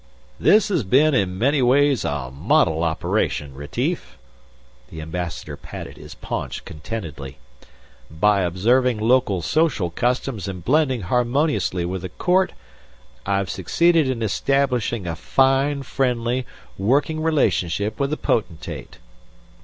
"This has been in many ways a model operation, Retief." The Ambassador patted his paunch contentedly. "By observing local social customs and blending harmoniously with the court, I've succeeded in establishing a fine, friendly, working relationship with the Potentate."